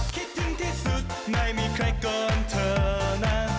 คิดถึงที่สุดไม่มีใครเกินเธอนะ